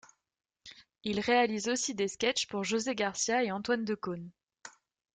Il réalise aussi des sketches pour José Garcia et Antoine Decaunes.